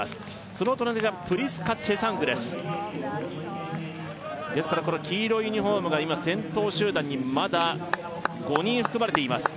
その隣がプリスカ・チェサングですですからこの黄色いユニフォームが今先頭集団にまだ５人含まれています